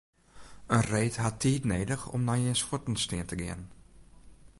In reed hat tiid nedich om nei jins fuotten stean te gean.